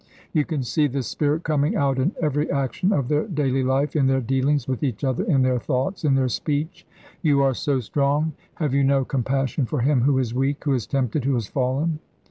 You can see this spirit coming out in every action of their daily life, in their dealings with each other, in their thoughts, in their speech. 'You are so strong, have you no compassion for him who is weak, who is tempted, who has fallen?'